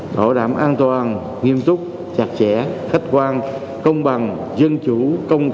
họ đảm an toàn nghiêm túc chặt chẽ khách quan công bằng dân chủ công khai minh bạch